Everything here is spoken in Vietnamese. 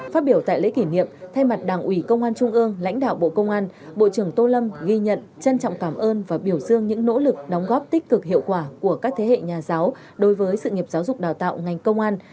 phát biểu tại lễ kỷ niệm thay mặt đảng ủy công an trung ương lãnh đạo bộ công an bộ trưởng tô lâm ghi nhận trân trọng cảm ơn và biểu dương những nỗ lực đóng góp tích cực hiệu quả của các thế hệ nhà giáo đối với sự nghiệp giáo dục đào tạo ngành công an